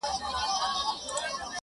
هري درې مياشتي ميدان كي غونډېدله!!